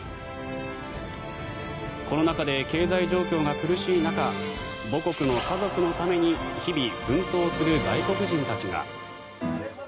コロナ禍で経済状況が苦しい中母国の家族のために日々奮闘する外国人たちが。